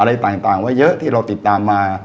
อะไรต่างไว้เยอะที่เราติดตามมา